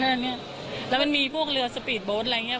พูดสิทธิ์ข่าวธรรมดาทีวีรายงานสดจากโรงพยาบาลพระนครศรีอยุธยาครับ